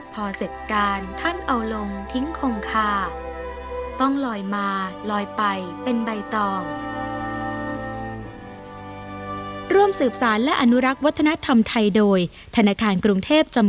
พอเสร็จการท่านเอาลงทิ้งคงคาต้องลอยมาลอยไปเป็นใบตอง